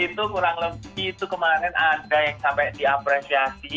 itu kurang lebih itu kemarin ada yang sampai diapresiasi